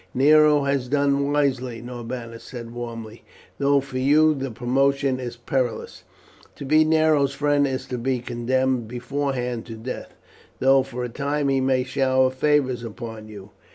"Nero has done wisely," Norbanus said warmly, "though for you the promotion is perilous. To be Nero's friend is to be condemned beforehand to death, though for a time he may shower favours upon you.